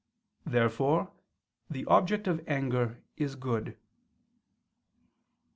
Therefore the object of anger is good.